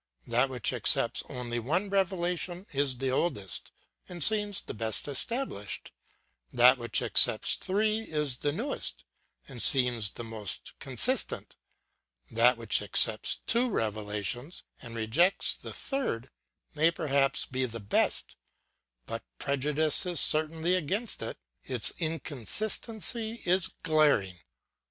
That which accepts only one revelation is the oldest and seems the best established; that which accepts three is the newest and seems the most consistent; that which accepts two revelations and rejects the third may perhaps be the best, but prejudice is certainly against it; its inconsistency is glaring.